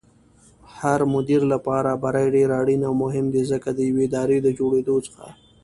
هرمدير لپاره بری ډېر اړين او مهم دی ځکه ديوې ادارې دجوړېدلو څخه